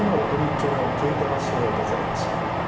町の稽古場所を訪れました。